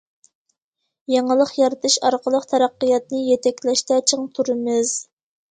يېڭىلىق يارىتىش ئارقىلىق تەرەققىياتنى يېتەكلەشتە چىڭ تۇرىمىز.